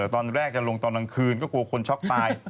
ตอนแรกจะลงตอนกลางคืนก็กลัวคนช็อกตาย